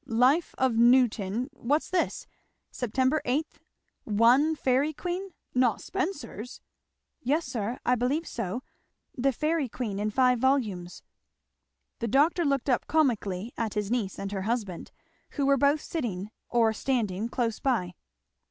"'Life of Newton' What's this? 'Sep. 8. 1 Fairy Queen!' not Spenser's?" "Yes sir, I believe so the Fairy Queen, in five volumes." The doctor looked up comically at his niece and her husband, who were both sitting or standing close by.